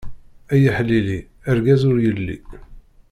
Ay aḥlili, argaz ur yelli.